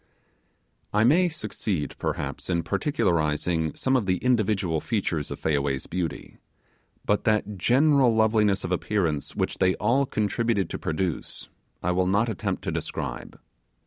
I may succeed, perhaps, in particularizing some of the individual features of Fayaway's beauty, but that general loveliness of appearance which they all contributed to produce I will not attempt to describe.